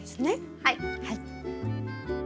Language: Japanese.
はい。